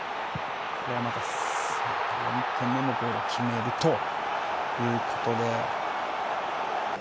また４点目のゴールを決めるということで。